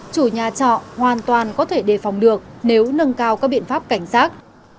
chủ nhà trọ hoàn toàn có thể đề phòng được nếu nâng cao các biện pháp cảnh sát